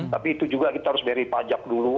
tapi itu juga kita harus beri pajak dulu